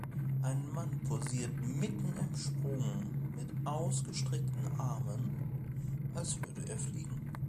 Ein Mann posiert mitten im Sprung mit ausgestreckten Armen, als würde er fliegen.